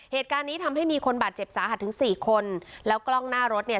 เหตุการณ์นี้ทำให้มีคนบาดเจ็บสาหัสถึงสี่คนแล้วกล้องหน้ารถเนี่ย